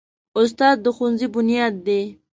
استاد د ښوونځي بنیاد دی.